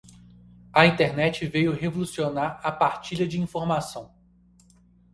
A Internet veio revolucionar a partilha de informação.